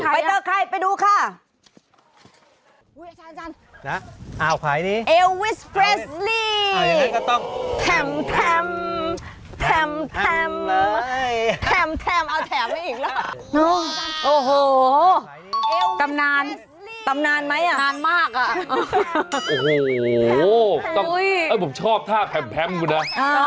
พี่ใครไปเจอใครไปดูค่ะ